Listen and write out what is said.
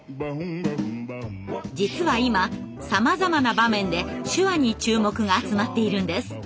実は今さまざまな場面で手話に注目が集まっているんです。